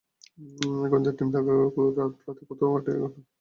এই গোয়েন্দা টিম রাতে কোথাও কাটিয়ে পরের দিন বিকেলে ফিরে আসে।